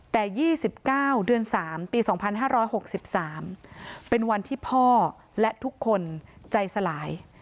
แต่๒๙เดือน๓ปี๒๕๖๓เป็นวันที่พ่อและทุกคนใจสลาย